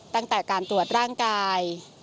ตั้งแต่การตรวจร่างกาย